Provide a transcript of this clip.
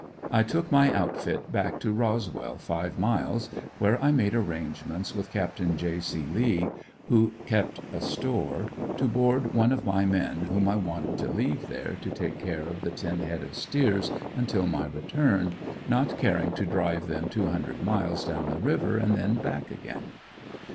I took my outfit back to Roswell, five miles, where I made arrangements with Capt. J. C. Lea, who kept a store, to board one of my men whom I wanted to leave there to take care of the ten head of steers until my return, not caring to drive them two hundred miles down the river and then back again.